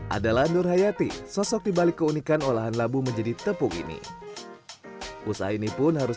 adalah nur hayati sosok dibalik keunikan olahan labu menjadi tepung ini usaha ini pun harus